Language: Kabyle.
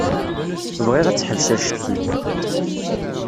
Bɣiɣ ad teḥbes acetki.